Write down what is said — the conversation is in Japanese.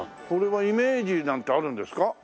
これはイメージなんてあるんですか？